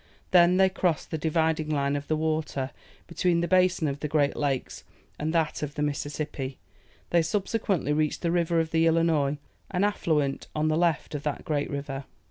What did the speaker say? Then they crossed the dividing line of the water between the basin of the great lakes, and that of the Mississippi; they subsequently reached the river of the Illinois, an affluent on the left of that great river.